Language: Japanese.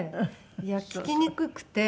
いや聞きにくくて。